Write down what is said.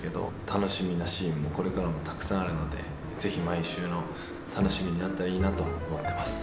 楽しみなシーンもこれからもたくさんあるのでぜひ毎週の楽しみになったらいいなと思ってます。